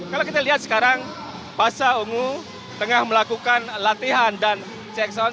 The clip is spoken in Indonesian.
kalau kita lihat sekarang pasca ungu tengah melakukan latihan dan cek sound